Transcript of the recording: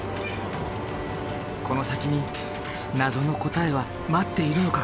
この先に謎の答えは待っているのか？